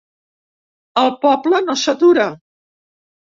El poble no s'atura!